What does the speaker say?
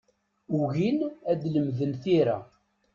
Ugin ad lemden tira.